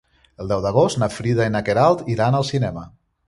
El deu d'agost na Frida i na Queralt iran al cinema.